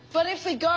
行こう！